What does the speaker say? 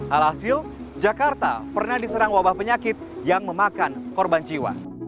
alhasil jakarta pernah diserang wabah penyakit yang memakan korban jiwa